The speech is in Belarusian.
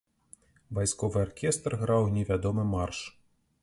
Вайсковы аркестр граў невядомы марш.